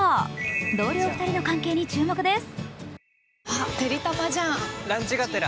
同僚２人の関係に注目です。